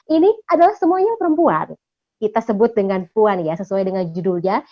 ini adalah semuanya perempuan kita sebut dengan puan ya sesuai dengan judulnya